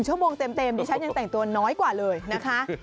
ชั่วโมงเต็มดิฉันยังแต่งตัวน้อยกว่าเลยนะคะ